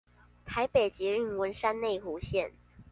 台北捷運文山內湖線